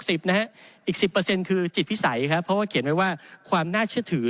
อีก๑๐คือจิตพิสัยครับเพราะว่าเขียนไว้ว่าความน่าเชื่อถือ